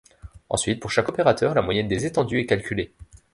Ensuite, pour chaque opérateur, la moyenne des étendues est calculée.